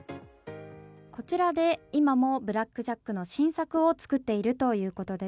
こちらで、今も「ブラック・ジャック」の新作を作っているということです。